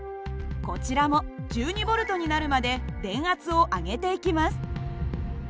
こちらも１２Ｖになるまで電圧を上げていきます。